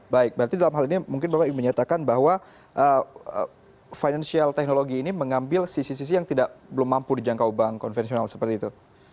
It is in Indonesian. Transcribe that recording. baik berarti dalam hal ini mungkin bapak menyatakan bahwa financial technology ini mengambil sisi sisi yang belum mampu dijangkau bank konvensional seperti itu